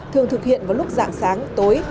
thường thực hiện vào lúc dạng sáng tối